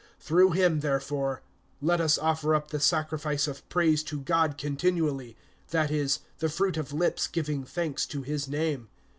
(15)Through him, therefore, let us offer up the sacrifice of praise to God continually, that is, the fruit of lips giving thanks to his name.